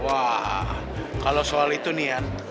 wah kalau soal itu nian